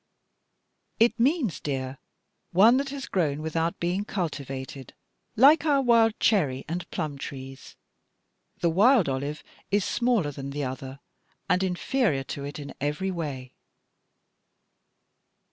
"It means, dear, one that has grown without being cultivated, like our wild cherry and plum trees. The wild olive is smaller than the other, and inferior to it in every way.